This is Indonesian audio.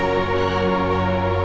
mereka sendiri porto